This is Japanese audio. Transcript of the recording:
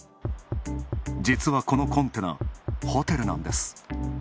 実は、このコンテナ、ホテルなんです。